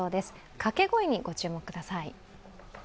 掛け声にご注目ください。